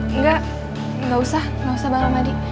enggak enggak usah enggak usah bang ramadi